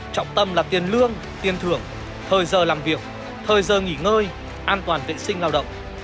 trọng tâm là tiền lương tiền thưởng thời giờ làm việc thời giờ nghỉ ngơi an toàn vệ sinh lao động